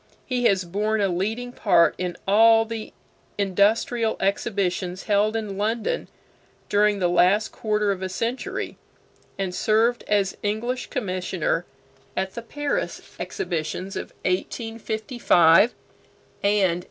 He has borne a leading part in all the industrial exhibitions held in London during the last quarter of a century, and served as English commissioner at the Paris exhibitions of 1855 and 1867.